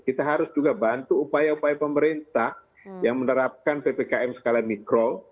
kita harus juga bantu upaya upaya pemerintah yang menerapkan ppkm skala mikro